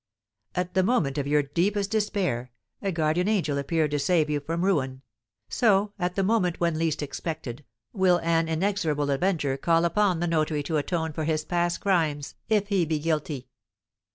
"At the moment of your deepest despair, a guardian angel appeared to save you from ruin; so, at the moment when least expected, will an inexorable Avenger call upon the notary to atone for his past crimes, if he be guilty."